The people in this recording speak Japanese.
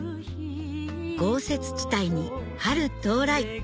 豪雪地帯に春到来